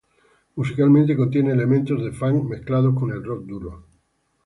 Musicalmente contiene elementos de funk mezclados con el rock duro.